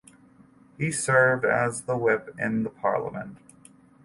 He served as the whip in the parliament.